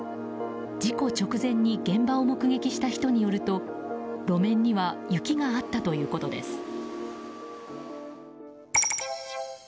事故直前に現場を目撃した人によると路面には雪があったということです。